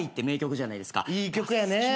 いい曲やね。